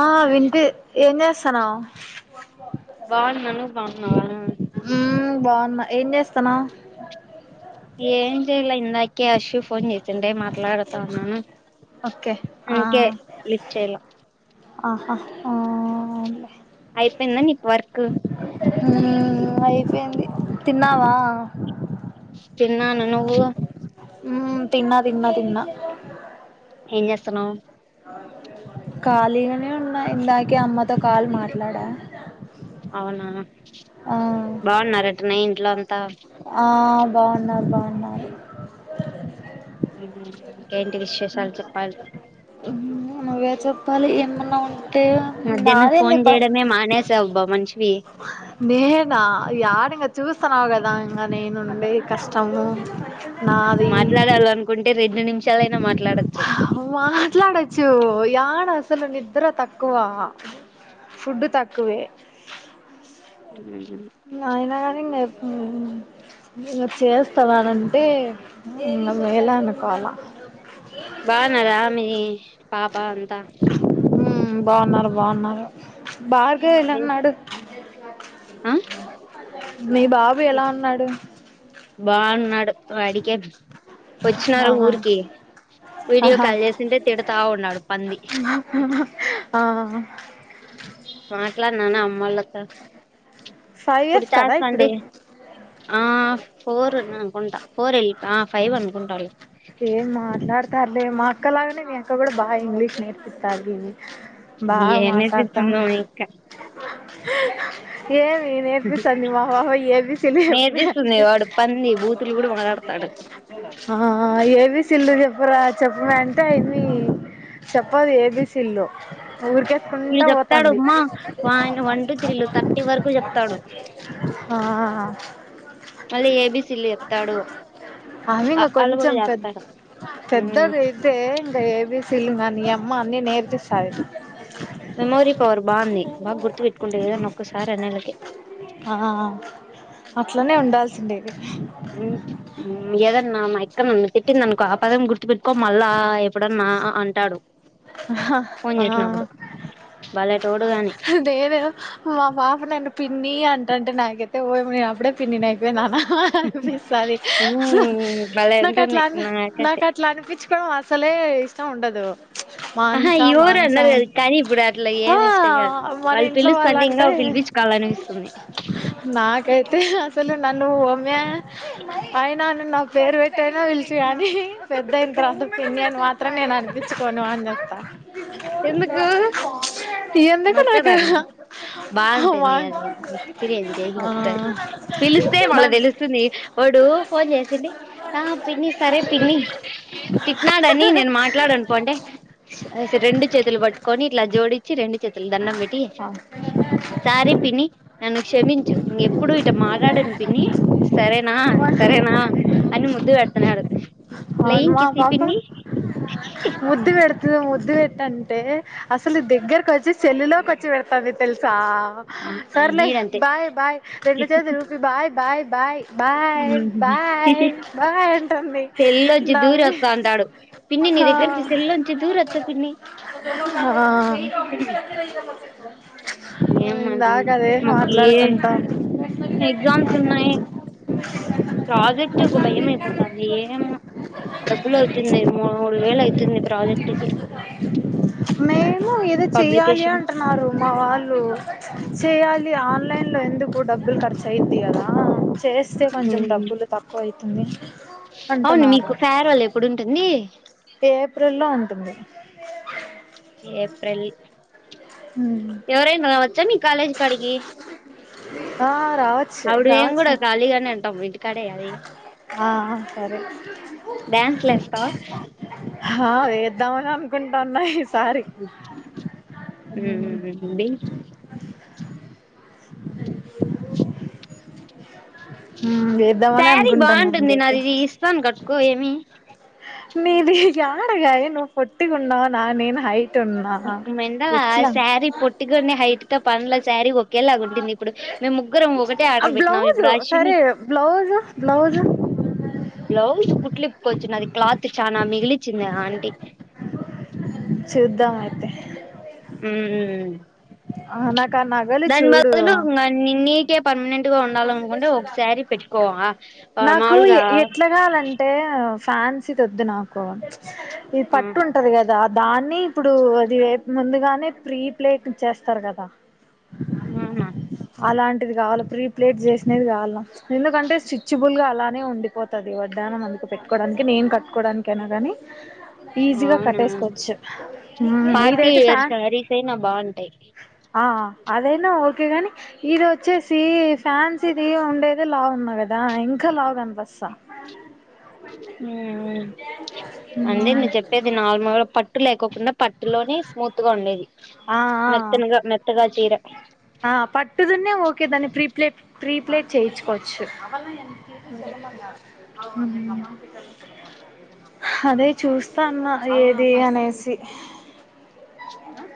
ఆ వినిపి ఏం చేస్తనవ్ బాగున్నా నువ్వు బాగున్నావా బాగున్నా ఏం జేస్తునావ్ ఏం చేయలే ఇంద క్యాషు ఫోన్ చేసిండే మాట్లాడుతా ఉన్నాను ఓకే ఆ అందుకే లిఫ్ట్ చేయలా ఆ హా అ అయిపోయిందా నీకు వర్క్ ఉ అయిపోయింది తిన్నావా తిన్నాను నువ్వు ఉమ్ తిన్నా తిన్నా తిన్నా ఏం చేస్తానవ్ ఖాళీగానే ఉన్న ఇందాకే అమ్మతో కాల్ మాట్లాడా అవునా ఆ బాగున్నరటనే ఇంట్లో అంతా ఆ బాగున్నారు బాగున్నార హ్మ్ ఇంకేంటి విశేషాలు చెప్పాలి నువ్వే చెప్పాలి ఏమన్నా ఉం టే మధ్యాహ్నం నాదే ఫోన్ ఇంగతప్ చేయడమే మానేసావు అబ్బా మనిషివి చూస్తన్నావు కదా ఇంకా నేనుండే కష్టము నాది మాట్లాడాల అనుకుంటే రెండు నిమి మాట్లాడొచ్చు ఓ యాడ అసలు నిద్ర తక్కువా ఫుడ్ తక్కువే. మ్మ్ ఇంగ అయినా కానీంగ మ్మ్ ఇంగ చేస్తారనంటే ఇంగ మేలానుకోవాల. బాగున్నార మీ పాప అంతా మ్మ్ బాగున్నారు బాగున్నారు బార్గవెలా ఉన్నాడు ఆ అదే మీ బాబు ఎలా ఉన్నాడు బాన్నడు వాడికేం వచ్చినారు ఆహా ఊరికి వీడియో ఆహా కాల్ చేసింటే తిడతా ఉన్నాడు పంది. ఆ ట్లానాన్న అమ్మోల్లతో ఫైవ్ ఇయర్స్ కదా ఇప్పుడు ఆ ఫోర్ నేఅనుకుంటా ఫోర్ వెళ్ళి ఆ ఫైవ్ అనుకుంటాలే. డతారులే మా అక్క లాగనే మీ అక్క కూడా బా ఇంగ్లీష్ నేర్పిత్తాది బా ఏం మాట్లాడుతా నేర్పిస్తుందో ఇంకా ఏవ్ నేనేర్పిస్స నేర్పిస్తుంది వాడు పంది బూతులు కూడా మాట్లాడతాడు మీ [unintelligible] తిల్లు చెప్పరా చెప్పమే అంటే ఆమ్మీ చెప్పదు ఏబిసీల్లు వీడు చెప్తాడు ఉమ్మా వాన్ వన్ టు త్రీ లు థర్టీ వరకు చెప్తాడు హా మళ్ళీ ఏబిసిల్లు చెప్తాడు, ఆమె ఇంగ అఆలు కొంచెం కూడా పెద్ద చెప్తాడు మ్మ్. ఏబీసిలుంగానీ అమ్మ అన్ని నేర్పిస్తాది మెమోరీ పవర్ బాగుంది బాగా గుర్తు పెట్టుకుంటే ఏదన్నా ఒక్కసారి అనేలకి ఆ అట్లనే ఉండాల్సిండే మ్మ మ్మ్ ఏదన్నా మా [unintelligible] పెట్టిందనుకో ఆ పదం గుర్తు పెట్టుకో మళ్ళా ఎప్పుడన్నా అంటాడు ఫోన్ చేసినప్పుడు భలేటోడు అని నేను మా పాప నన్ను పిన్నీ అ నాయికతే [unintelligible] పిన్ని అయిపోయిన అనిపిస్తుంది మ్మ్ భలే నాకు ఉంటుంది అట్లా అని నాకైతే నాకు అట్లా అనిపించుకోవడం అసలే ఇష్టం ఉండదు ఆహ మాంసా ఎవరు మాంసా అన్నారు కదా కానీ ఇప్పుడు అట్లా ఆ ఏమి ఇష్టం కదు మన వాళ్ళు ఇంట్లో పిలుస్తంటే ఇంకా వాళ్ళంటే పిలిపించుకోవాలనిపిస్తుంది నాకైతే అసలు నన్ను ఒమ్మే అయినా నా పేరు పెట్టయినా పలిచి కాని పెద్దయిన తర్వాత పిన్ని అని మాత్రం నేను అనిపించుకోను అ [unintelligible] ఎందుకు ఎందుకు నాకు నచ్చదాని మా బాగుంటుంది అది ఎక్స్పీరియన్స్ చెయ్యి ఆ ఒకసారి పిలిస్తే మళ్ళా నన్ తెలుస్తుంది వాడు ఫోన్ చేసింది ఆ పిన్ని సరే పిన్ని తిట్నడని నేను మాట్లాడ అనుకోంటే రెడు చేతులు పట్టుకొని ఇట్లా జోడిచ్చి రెండు చేతులు దండం పెట్టి సారీ పిన్ని నన్ను క్షమించు ఇక ఎప్పుడు ఇట మాట్లాడను పిన్ని సరేనా సరేనా అని ముందు పెడుతున్నాడు అవును ప్లాన్ మా కిస్ ఈ పాప పిన్ని ముద్దు పెడుతు ముద్దు పెట్టండి అసలు దగ్గర్ [unintelligible] చెల్లోకి వచ్చి పెడతది తెలుసా సర్లే గీడంతే బాయ్ బాయ్ రెండు చేతులు ఊపి bye bye bye bye bye bye అంటుంది సెల్లోంచి దూరి వస్తా [unintelligible] హా దురోస్త పిని ఇ ఏం అది మాకు ఏ మాట్లాడుకుంటాం ఎగ్జామ్స్ ఉన్నాయి ప్రాజెక్ట్ ఒక భయం అయిపోతుంది ఏం డబ్బులు అవుతుంది మూడు మూడు వేలు అవుతుంది ప్రాజెక్ట్ కి మేము ఏది చెయ్యాలి పబ్లికేషన్ అంటున్నారు మా వాళ్ళు చేయాలి ఆన్లైన్లో ఎందుకు డబ్బులు ఖర్చు అయ్యింది కదా చేస్తే కొంచెం డబ్బులు తక్కువ అవు [unintelligible] అవును మీకు ఫేర్వెల్ ఎప్పుడు ఉంటుంది ఏప్రిల్ లో ఉంటుంది ఏప్రిల్ ఎవరైనా రావచ్చా మీ కాలేజ్ కాడికి ఆ రావచ్చు అప్పుడు ఏం కూడా రావచ్చు ఖాళీగానే అంటాం ఇంటికాడేయాలి ఆ సరే డ్యాన్స్ లేస్తావా హా వేద్దామని అనుకుంటన్నా హిస్ ఉ ఊ ఊ ఊ ఉండి. ఊ వేద్దామని శారీ అనుకుంటాన్నా బాగుంటుంది ఇంకేప్ నాది ఇస్తాను కట్టుకో ఏమి నీది యాడగాదె నువ్వు పోట్టిగున్నావ్ నా నేను హై నీకి మెంటల్ ఆ శారీ పొట్టికనే హైట్తో పనిలే శారీ ఒకేలాగుంటుంది ఇప్పుడు మేము ముగ్గురం ఒకటే ఆ ఆర్డర్ పెట్టినాము బ్లౌజ్ ఇప్పుడు అశ్విని సరే బ్లౌజ్ బ్లౌజ్ బ్లౌజ్ కుట్లిప్ కొచ్చ్ నాది క్లాత్ చానా మిగిలిచ్చింది అంటీ చూద్దాం అయితే ఊ ఆ నాకు ఆ నగలు దాని చూడు బదులు ఇంకా నిన్నీకే పర్మనెంట్ గా ఉండాల అనుకుంటే ఒక సారీ పెట్టుకోవ మాములుగా ఫ్యాన్సీతోద్దు నాకు ఇద్ ఆ పట్టు ఉంటది కదా అద్ దాన్ని ఇప్పుడు అది రేపు ముందుగానే ప్రీప్లేట్ చెస్ స్తర్గద అవునా అలాంటిది కావాలి ప్రీప్ప్లేట్ చేసినది కావల్ల ఎందుకంటే స్ట్రిచ్చ్చుబుల్గా అలానే ఉండిపోతాది వడ్డాణం అందుకు పెట్టుకోవడానికి నేను కట్టుకోవడానికైనా కానీ ఈజీగా అవునా కట్టేసుకోవచ్చు హ్మ్ పార్టీ ఇదైతే వేర్ ఫ్యాన్ శారీస్ అయినా బాగుంటాయి ఆ అదైనా ఓకే కానీ ఇది వచ్చేసి ఫ్యాన్సీది ఉండేదే లావు ఉన్నా కదా ఇంకా లావ్ కన్పస్తా ఊ ఊ అందే నువ్ చెప్పేది నార్మల్గా పట్ పట్టు లేకోకుండా పట్టులోనే స్మూత్ గా ఉండేది. ఆ ఆ మెత్తనగా మెత్తగా చీర ఆ పట్టుదున్న ఓకేదాన్ని ప్రీప్ ప్లేట్ ప్రీప్లేట్ చేయించుకోచ్చు. చేసి చేలమంగా ఊ హాదే చూస్తా అన్న ఏదీ అనేసి సీ అ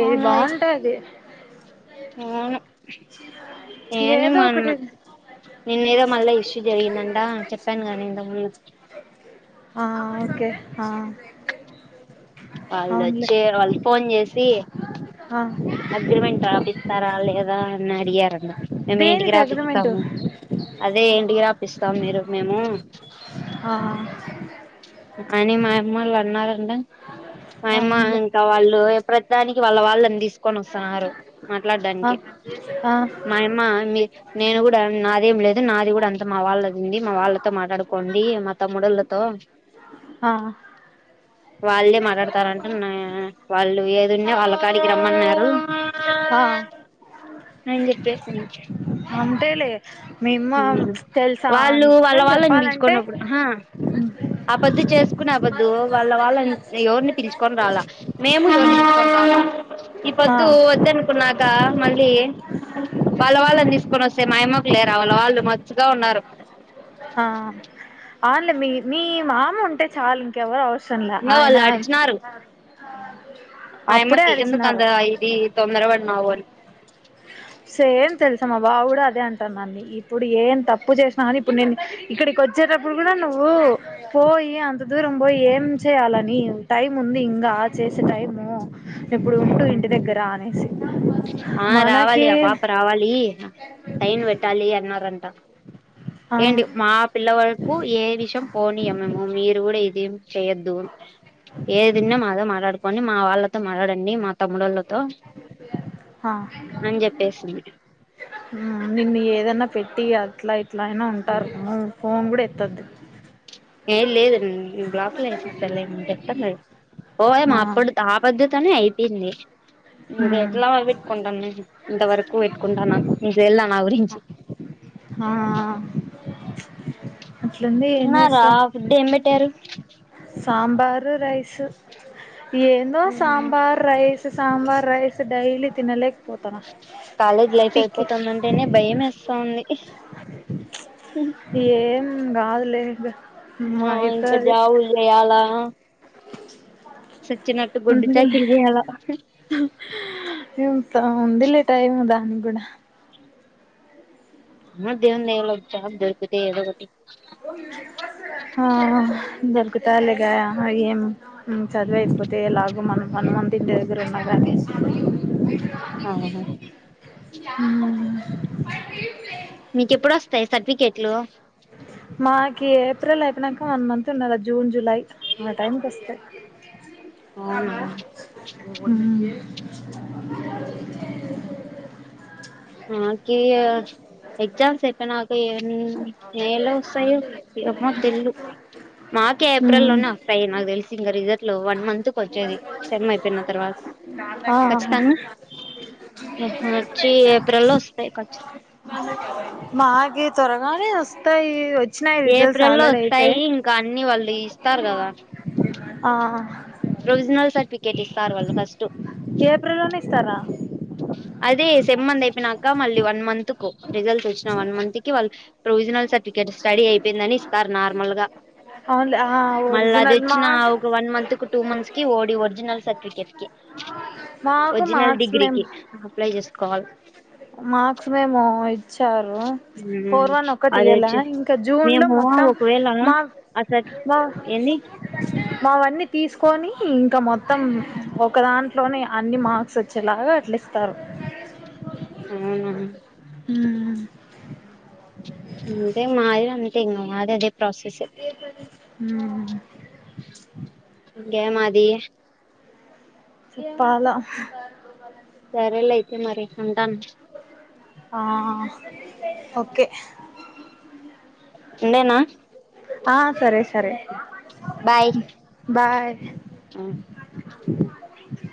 ఏది అవునది బాగుంటే అది. అవును నేను ఏదో మా ఒకటి అన్న నిన్నేదో మళ్ళా ఇష్యూ జరిగిందంట చెప్పాన్గా నేను ఇంతకు ముందు ఆ ఓకే ఆ అల్ అవునులే దెచ్చే వాల్ ఫోన్ చేసి ఆ అగ్రిమెంట్ రాపిస్తారా లేదా అని అడిగరంట మేము ఏంటికి దేనికి అగ్రిమెంటు రాపిస్తాము అదే ఏంటికి రాపిస్తాం మీరు మేము ఆ అని మా అమ్ములు అన్నారు ఏమని ఫైమామ్మా అవునులే ఇంకా వాళ్ళు ఎప్పుడొస్తాని వాళ్ళ వాళ్ళని తీస్ కొని వస్తున్నారు ఆ మాట్లాడడానికి మాయమ్మ మీ నేను కూడా నాదేం లేదు నాది కూడా అంత్ మా వాళ్ళది ఉంది మా వాళ్ళతో మాట్లాడుకోండి మాత్ తమ్ముడోల్లతో ఆ వాళ్ళే మాట్లాడతారంట నా వాళ్ళు ఏ నిన్న వాళ్ళకాడికి రమ్మన్నారు ఆ ఎం చెప్పేసింది అంతేలే మేమ్మ ఉ హుమ్మ్ తెలుసా వాళ్ళు వాళ్ళ నిజం వాళ్ళని చెప్పాలంటే పిలుచుకున్నప్పుడు ఆహా ఆపొద్దు చేసుకునే ఆ పొద్దు వాళ్ళ వాళ్ళని ఎవరిని పిలుచుకొని రాలా మేము ఆ పిలుచుకొని రాలా ఈ ఆ పొద్దు వద్దని కున్నాక మళ్ళీ వాళ్ళ వాళ్ళని తీసుకొని వస్తే మా అయమ్మ వాళ్ళ వాళ్ళు మచ్చుగా ఉన్నారు ఆ అవునులే మీ మీ మామ ఉంటే చాలు ఇంకెవరు అవసర్ సరంల్ల ఇంగా ఆయన ఆవు మాయ్యమ్మకి ఎందుకంత ఇది తొందర వడు మావోల్ సేమ్ తెలుసా మా బావ్ కూడా అదే అంటానండి ఇప్పుడు ఏం తప్పు చేసినా కాని ఇప్పుడు నేను ఇక్కడికి వచ్చేటప్పుడు కూడా నువ్వు పోయి అంత దూరం పోయి ఏం చేయాలని టైం ఉంది ఇంకా చేసే టైంము ఇప్పుడు ఉండు ఇంటి అని దగ్గర అనేసి మా మనకి లి ఆ పాప రావాలి సైన్ పెట్టాలి అన్న రంట ఏంటి ఆహా మా పిల్ల వరకు ఏ విషం పోనీయమమ్ము మేము మీరు కూడా ఇది చేయ్యద్దు ఏదిన్న మాదో మాట్లాడు కొన్ని మా వాళ్ళతో మాట్లాడండి. అండి మక్ హా అని చెప్పేసింది నిన్ను ఏదన్నా పెట్టి అట్లా ఇట్ ఎట్లైనా అయినా ఉంటారు అమ్మో ఫోన్ కూడా ఎతొద్దు ఏ లేదు బ్లాక్లు వేసేస్తలే ఎత్తలేదు ఓ యమ్మా ఆ అప్పుడు ఆ పోద్ధతోనే అయి. ఇన్నే ఇదే హ్మ్ ఎట్లా వదిలి వెట్టుకుంటాను నేను ఇంతవరకు పెట్టుకుంటానా నీకు తేళ్దా నా గురించి ఆ అట్లుంది ఏం తిన్నారా చేస్తావ్ ఫుడ్ ఏం పెట్టారు సాంబారు రైస్ ఏందో sambar rice sambar rice daily తినలే కాలేజ్ లైఫ్ అయిపోతుందంటేనే భయం వేస్తా ఉంది హుం ఏం కాదులే ఇంగ అమ్మో ఇంకా జాబులు చేయాలా సె ఉంది ఇంక ఉంది లే టైమ్ దానిగ్గూడా ఏమో దేవుని దయవల్ల ఒక జాబ్ దొరుకుతే ఏదో ఒకటి హా దొరుకు తాదిలేగా అహా యేం మ్మ్ చదువు అయిపోతే ఎలాగో మనం మనుమం ఇంటి దగ్గర ఉన్న కానీ, మన మీక ఎప్పుడు వస్తాయి సర్టిఫికెట్లు మాకి పత్ర అయిపోనాక వన్ మంత్ ఉండిది జూన్ జూలై మా టైంకిస్తే అవునా అ కి ఎగ్జామ్స్ అయిపోయి నాకు నలో వస్తాయి ఏమో తెల్లు మార్కే ఏప్రిల్ లోనే వస్తాయి నాకు తెలిసి గ ఇద హలో వన్ మంత్ కి వచ్చేది సెమ్ అయిపోయిన తర్వాత ఆఓ ఖచ్చితంగా ఇత్రలో వస్తాయి ఖచ మాకి త్వరగానే వస్తాయి వచ్చినాయి రిజల్ట్స్ ఏప్రిల్ లో ఆల్రెడీ అయిపోయి వస్తాయి ఇంకా అన్ని వాళ్ళు ఇస్తారు కదా ఆ ప్రొవిజినల్ సర్టిఫికేట్ ఇ సార్వాల్ ఫస్ట్ ఏప్రిల్ ల్లోనే ఇస్తార తెమ్మంది అయిపోయినాక మళ్ళీ వన్ మంత్కు రిజల్ట్స్ వచ్చిన వన్ మంత్ కి వాళ్ళు ప్రొవిజనల్ సర్టి గీడా స్టడీ అయిపోయిందని స్తార్ నార్మల్గా అవునులే ఆ మళ్ళీ అది ఒరిజినల్ మా వచ్చిన ఒక వన్ మంత్ కి టూ మంత్స్ కి ఓడి ఒరిజినల్స్ కి కెఫ్ కి మాకు మార్క్స్ మేమ్ reply just call marks memo ఇస్ వచ్చారు ఫోర్ ఉమ్ వన్ అదే ఒకటియలా వచ్చి ఇంకా జూన్లో మేము మొత్తం ఒకవేళ మాక్ అసలు మా ఏంది మావన్నీ తీసుకొని ఇంక మొత్తం ఒక దాంట్లోనే అన్ని మార్క్స్ వచ్చేలాగ అట్ల ఇస్తారు అవున ఉమ్ అంతే మాది అంతె ఇంగ మాది అదే ప్రాసెస్ ఉ గె మాది చెప్పాల సరేలె అయితే మరి ఉంటాను ఆ ఓకె ఇంతేనా ఆ సరె సరె బాయ్ [inaudible]